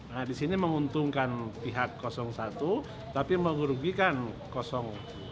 nah disini menguntungkan pihak satu tapi merugikan dua